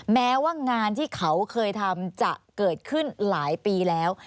แม้ว่างานที่เขาเคยทำจะเกิดขึ้นหลายปีแล้ว